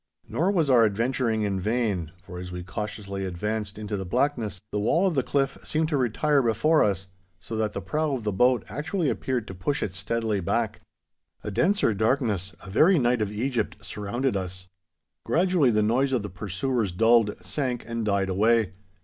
Nor was our adventuring in vain, for as we cautiously advanced into the blackness, the wall of the cliff seemed to retire before us, so that the prow of the boat actually appeared to push it steadily back. A denser darkness, a very night of Egypt, surrounded us. Gradually the noise of the pursuers dulled, sank, and died away.